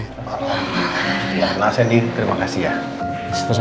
aku dah ketemu nelpon kopimu